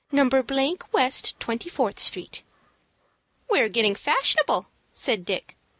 _ West Twenty Fourth Street." "We're getting fashionable," said Dick.